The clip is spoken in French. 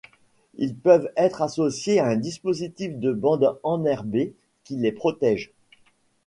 Ils peuvent être associés à un dispositif de bande enherbée qui les protège.